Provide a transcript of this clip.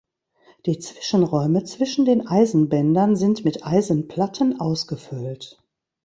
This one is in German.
Die Zwischenräume zwischen den Eisenbändern sind mit Eisenplatten ausgefüllt.